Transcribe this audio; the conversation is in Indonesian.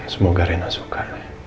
semoga rena suka